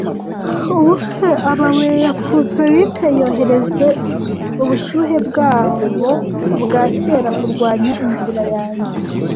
Ubuse amabuye ya plutonic yohereze ubushyuhe bwabo bwa kera kurwanya inzira yanjye,